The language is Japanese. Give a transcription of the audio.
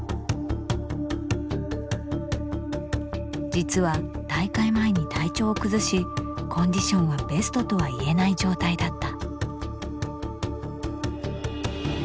実は大会前に体調を崩しコンディションはベストとは言えない状態だった。